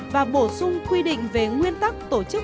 và bổ sung quy định về nguyên tắc của các đối tác quốc tế